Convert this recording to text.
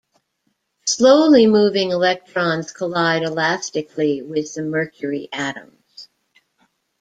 Slowly moving electrons collide elastically with the mercury atoms.